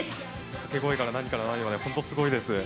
掛け声から何から何までほんとすごいです。